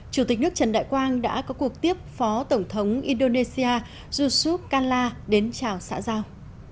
chủ tịch nước trần đại quang đã có cuộc tiếp phó tổng thống indonesia youchu kallah đến chào xã giao